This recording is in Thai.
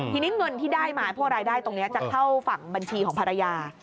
ทีนี้เงินที่ได้มาพวกรายได้ตรงนี้จะเข้าฝั่งบัญชีของภรรยา